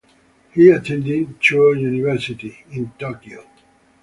He attended Chuo University in Tokyo.